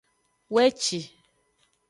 Weci.